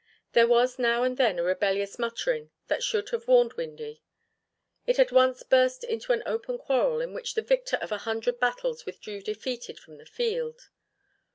There was now and then a rebellious muttering that should have warned Windy. It had once burst into an open quarrel in which the victor of a hundred battles withdrew defeated from the field.